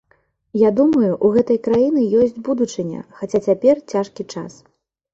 Я думаю, у гэтай краіны ёсць будучыня, хаця цяпер цяжкі час.